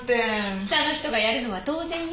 下の人がやるのは当然よ。